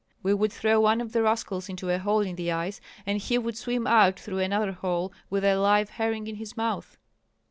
We would throw one of the rascals into a hole in the ice, and he would swim out through another hole with a live herring in his mouth."